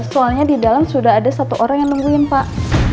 soalnya di dalam sudah ada satu orang yang nungguin pak